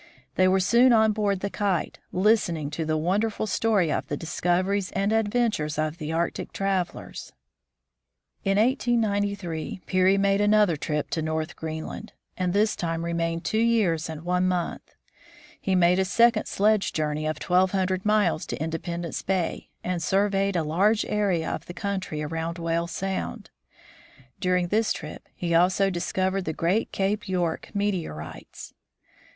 They were soon on board the Kite, listening to the wonderful story of the discoveries and adventures of the Arctic travelers. In 1893 Peary made another trip to North Greenland, and this time remained two years and one month. He made a second sledge journey of twelve hundred miles to Independence bay, and surveyed a large area of the country around Whale sound. During this trip, he also discovered the great Cape York meteorites.